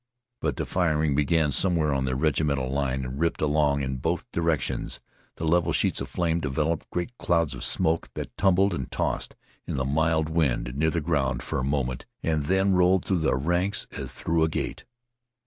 But the firing began somewhere on the regimental line and ripped along in both directions. The level sheets of flame developed great clouds of smoke that tumbled and tossed in the mild wind near the ground for a moment, and then rolled through the ranks as through a gate.